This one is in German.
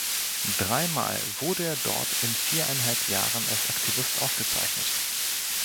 Dreimal wurde er dort in viereinhalb Jahren als „Aktivist“ ausgezeichnet.